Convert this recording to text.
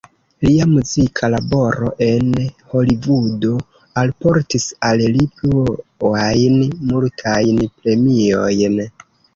Lia muzika laboro en Holivudo alportis al li pluajn multajn premiojn.